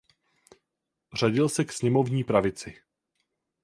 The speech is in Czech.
Řadil se k sněmovní pravici.